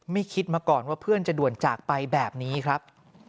คิดมาก่อนว่าเพื่อนจะด่วนจากไปแบบนี้ครับ